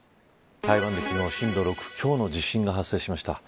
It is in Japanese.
台湾で昨日震度６強の地震が発生しました。